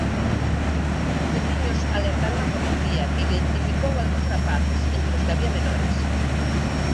Os veciños alertaron a policía, que identificou algúns rapaces, entre os había menores.